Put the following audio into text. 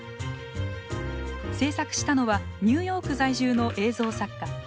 制作したのはニューヨーク在住の映像作家